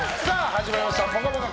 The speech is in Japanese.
始まりました「ぽかぽか」